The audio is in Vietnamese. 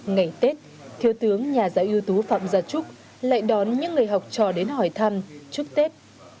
ngày tết thiếu tướng nhà giáo ưu tú phạm gia trúc lại đón những người học trò đến hỏi thăm chúc tết